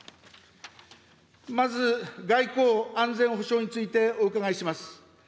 まず外交・安全保障についてお伺いします。